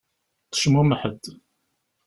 Tecmumeḥ-d.